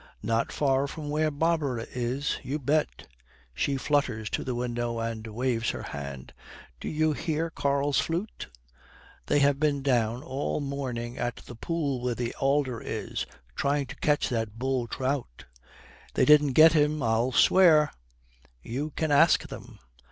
'Not far from where Barbara is, you bet.' She flutters to the window and waves her hand. 'Do you hear Karl's flute? They have been down all the morning at the pool where the alder is, trying to catch that bull trout.' 'They didn't get him, I'll swear!' 'You can ask them.'